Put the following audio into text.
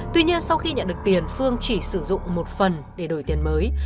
tuy nhiên sau khi nhận được tiền phương chỉ sử dụng một phần để đổi tiền mới